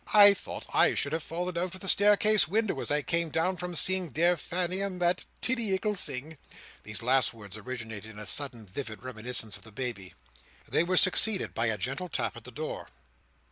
I thought I should have fallen out of the staircase window as I came down from seeing dear Fanny, and that tiddy ickle sing." These last words originated in a sudden vivid reminiscence of the baby. They were succeeded by a gentle tap at the door.